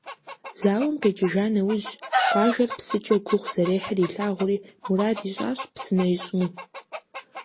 Зауэм къикӏыжа нэужь, къуажэр псыкӏэ гугъу зэрехьыр илъагъури, мурад ищӏащ псынэ ищӏыну.